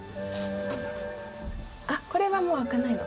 あこれはもう開かないの？